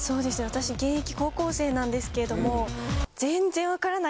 私現役高校生なんですけれども。